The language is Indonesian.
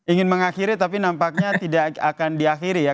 ingin mengakhiri tapi nampaknya tidak akan diakhiri ya